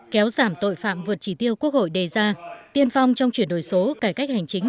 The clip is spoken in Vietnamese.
kéo giảm tội phạm vượt trí tiêu quốc hội đề ra tiên phong trong chuyển đổi số cải cách hành chính